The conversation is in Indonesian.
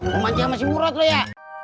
lu manja sama si murot lu ya